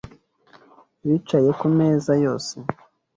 Bicaye ku meza yose.